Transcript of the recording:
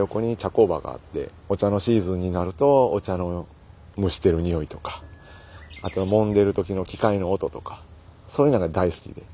工場があってお茶のシーズンになるとお茶の蒸してる匂いとかあともんでる時の機械の音とかそういうのが大好きで。